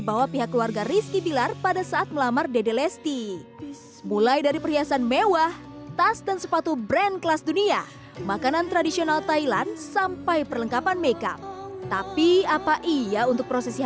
apalagi pernikahan adat di indonesia nih